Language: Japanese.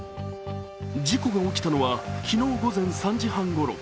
事故が起きたのは昨日午前３時半ごろ。